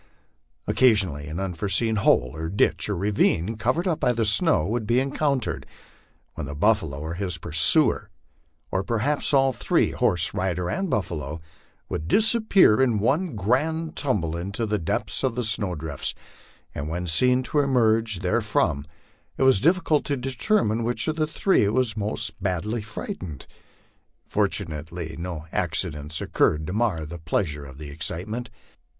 Occasionally an unseen hole or ditch or ravine covered up by the snow would be encountered, when the buffalo or his pursuer, or perhaps all three horse, rider, and buffalo would disappear in one grand tumble in the deptha of the snowdrifts, and when seen to emerge therefrom it was difficult to de termine which of the three was most badly frightened. Fortunately no acci dents occurred to mar the pleasure of the excitement.